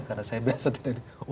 karena saya biasa tidak diangkat